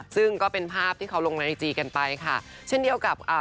ซึ่งก็เป็นภาพที่เขาลงในไอจีกันไปค่ะเช่นเดียวกับอ่า